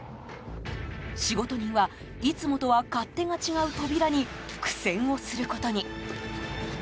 仕事人は、いつもとは勝手が違う扉に苦戦をすることに。